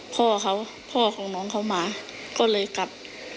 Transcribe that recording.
พ่อเขาพ่อของน้องเขามาก็เลยกลับ